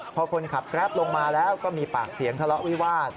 พอคนขับแกรปลงมาแล้วก็มีปากเสียงทะเลาะวิวาส